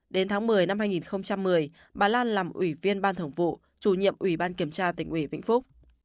đến tháng một mươi năm hai nghìn một mươi bà lan làm ủy viên ban thường vụ chủ nhiệm ủy ban kiểm tra tỉnh ủy vĩnh phúc